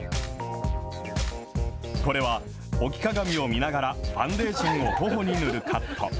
これは、置き鏡を見ながらファンデーションをほおに塗るカット。